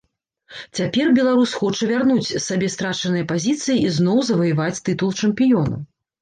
Цяпер беларус хоча вярнуць сабе страчаныя пазіцыі і зноў заваяваць тытул чэмпіёна.